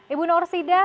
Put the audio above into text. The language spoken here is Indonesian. ibu norsi dah